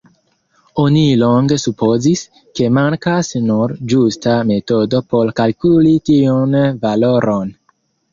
Oni longe supozis, ke mankas nur ĝusta metodo por kalkuli tiun valoron.